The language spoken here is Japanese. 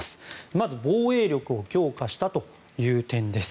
まず防衛力を強化したという点です。